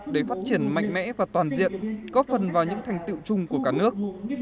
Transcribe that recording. để phát triển mạnh mẽ và toàn diện góp phần vào những thành tựu chung của cả nước